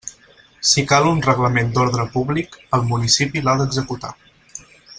Si cal un reglament d'ordre públic, el municipi l'ha d'executar.